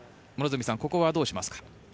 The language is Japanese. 両角さん、ここはどうしますか？